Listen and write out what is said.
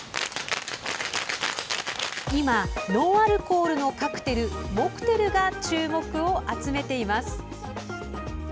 今、ノンアルコールのカクテルモクテルが注目を集めています。